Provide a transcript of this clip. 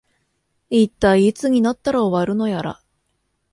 いったい、いつになったら終わるのやら